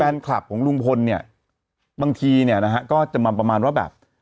แฟนคลับของลุงพลเนี่ยบางทีเนี่ยนะฮะก็จะมาประมาณว่าแบบ